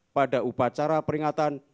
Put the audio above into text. pada upacara peringatan